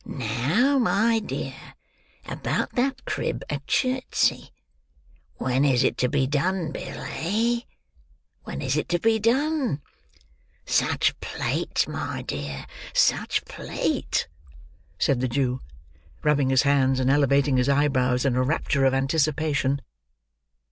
Now, my dear, about that crib at Chertsey; when is it to be done, Bill, eh? When is it to be done? Such plate, my dear, such plate!" said the Jew: rubbing his hands, and elevating his eyebrows in a rapture of anticipation.